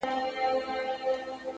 درد زغمي’